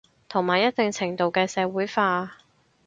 同埋一定程度嘅社會化